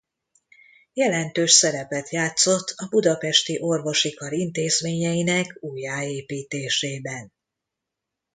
Jelentős szerepet játszott a budapesti orvosi kar intézményeinek újjáépítésében.